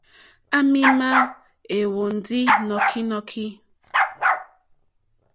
À mì má ɛ̀hwɔ̀ndí nɔ́kínɔ́kí.